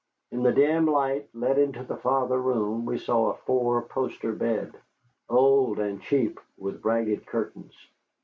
In the dim light let into the farther room we saw a four poster bed, old and cheap, with ragged curtains.